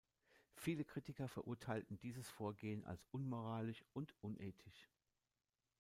Viele Kritiker verurteilten dieses Vorgehen als unmoralisch und unethisch.